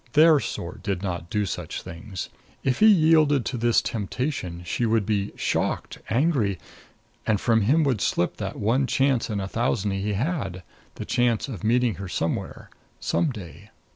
Their sort did not do such things. If he yielded to this temptation she would be shocked, angry, and from him would slip that one chance in a thousand he had the chance of meeting her somewhere, some day.